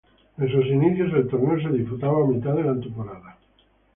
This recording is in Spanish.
En sus inicios el torneo se disputaba a mitad de la temporada.